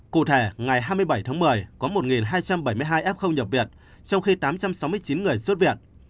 cụ thể ngày hai mươi bảy tháng một mươi có một hai trăm bảy mươi hai f không nhập viện trong khi tám trăm sáu mươi chín người xuất viện